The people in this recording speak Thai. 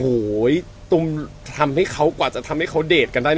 โอ้โหตุ้มทำให้เขากว่าจะทำให้เขาเดทกันได้